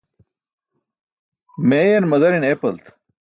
Meeyan mazari̇ṅ eepalt.